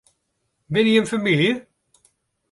Binne jimme famylje?